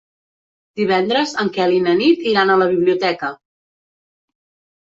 Divendres en Quel i na Nit iran a la biblioteca.